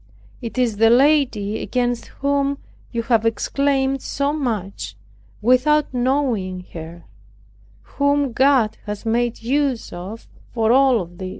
It is the lady against whom you have exclaimed so much without knowing her, whom God has made use of for all of this."